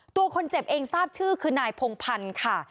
ตัวคนเจ็บเองทราบชื่อคือนายพงพันธ์ค่ะ